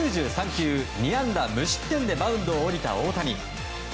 球２安打無失点でマウンドを降りた大谷。